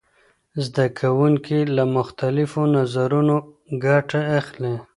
زده کوونکي له مختلفو نظرونو ګټه اخلي.